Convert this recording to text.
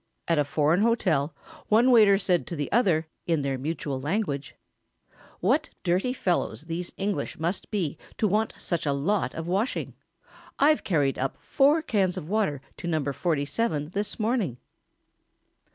At a foreign hotel one waiter said to the other in their mutual language: "What dirty fellows these English must be to want such a lot of washing! I've carried up four cans of water to No. 47 this morning!"